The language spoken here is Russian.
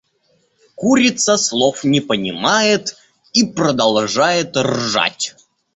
Курица слов не понимает и продолжает ржать.